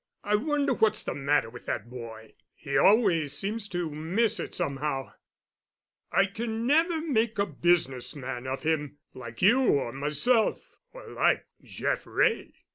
I wonder what's the matter with that boy. He always seems to miss it somehow. I can never make a business man of him—like you or myself—or like Jeff Wray."